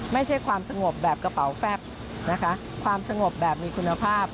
ไม่ใช่ความสงบแบบกระเป๋าแฟบนะคะความสงบแบบมีคุณภาพ